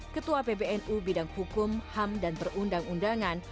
ketua pbnu bidang hukum ham dan perundang undangan